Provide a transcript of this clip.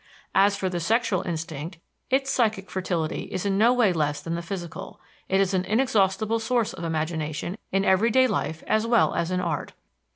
As for the sexual instinct, its psychic fertility is in no way less than the physical it is an inexhaustible source of imagination in everyday life as well as in art.